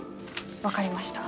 分かりました。